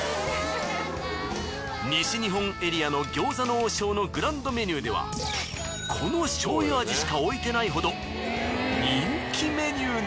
西日本エリアの餃子の王将のグランドメニューではこの醤油味しか置いてないほど人気メニューなんです。